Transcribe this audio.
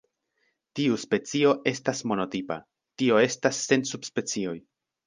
Tiu specio estas monotipa, tio estas sen subspecioj.